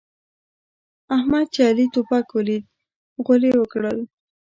احمد چې علي توپک وليد؛ غول يې وکړل.